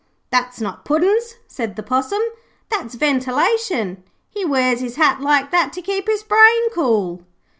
'That's not puddin's,' said the Possum; 'that's ventilation. He wears his hat like that to keep his brain cool.'